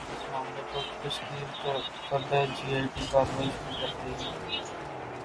جب اس مسئلے پہ تشکیل کردہ جے آئی ٹی کارروائی شروع کرے گی۔